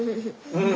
うん。